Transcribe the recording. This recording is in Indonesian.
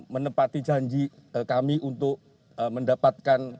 menepati janji kami untuk mendapatkan